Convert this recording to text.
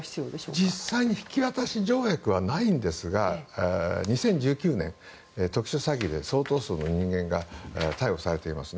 実際に引き渡し条約はないですが２０１９年特殊詐欺で相当数の人間が逮捕されていますね。